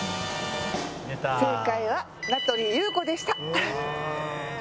正解は名取裕子でした。